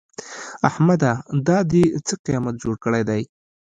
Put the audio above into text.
احمده! دا دې څه قيامت جوړ کړی دی؟